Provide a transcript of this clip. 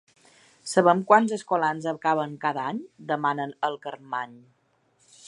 Sabem quants escolans acaben cada any? —demana el Carmany.